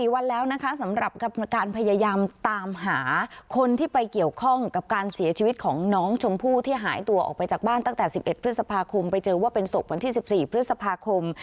แล้วนะคะสำหรับการพยายามตามหาคนที่ไปเกี่ยวข้องกับการเสียชีวิตของน้องชมพู่ที่หายตัวออกไปจากบ้านตั้งแต่๑๑พฤษภาคมไปเจอว่าเป็นศพวันที่๑๔พฤษภาคม